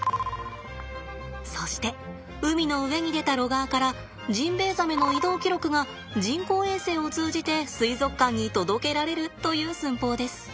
そして海の上に出たロガーからジンベエザメの移動記録が人工衛星を通じて水族館に届けられるという寸法です。